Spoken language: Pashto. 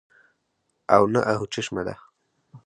او نه اۤهو چشمه ده